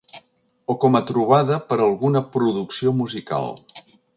O com a trobada per a alguna producció musical.